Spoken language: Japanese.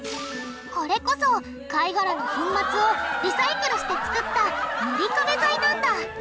これこそ貝がらの粉末をリサイクルしてつくった塗り壁材なんだ。